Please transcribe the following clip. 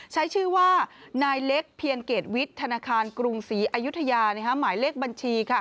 ใช้ชื่อว่านายเล็กเพียรเกรดวิทย์ธนาคารกรุงศรีอายุทยาหมายเลขบัญชี